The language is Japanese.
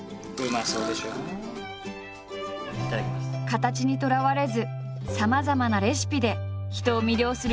形にとらわれずさまざまなレシピで人を魅了するリュウジ。